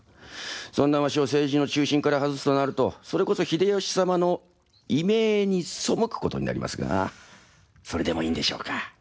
そんなわしを政治の中心から外すとなるとそれこそ秀吉様の遺命に背くことになりますがそれでもいいんでしょうか。